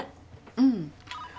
うん。